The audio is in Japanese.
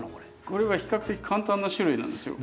これは比較的簡単な種類なんですよ。